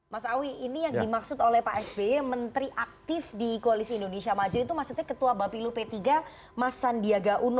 mas awi ini yang dimaksud oleh pak sby menteri aktif di koalisi indonesia maju itu maksudnya ketua bapilu p tiga mas sandiaga uno